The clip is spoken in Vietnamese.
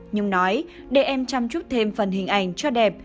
nhưng nói để em chăm chút thêm phần hình ảnh cho đẹp